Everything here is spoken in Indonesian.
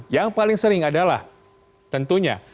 yang paling sering adalah tentunya